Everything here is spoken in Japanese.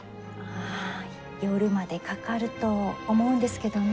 あ夜までかかると思うんですけどね。